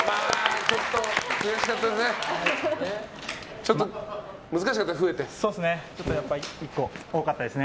ちょっと悔しかったですね。